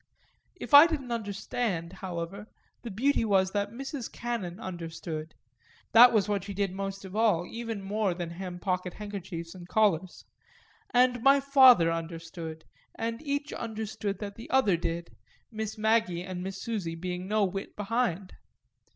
If I didn't understand, however, the beauty was that Mrs. Cannon understood (that was what she did most of all, even more than hem pockethandkerchiefs and collars) and my father understood, and each understood that the other did, Miss Maggie and Miss Susie being no whit behind.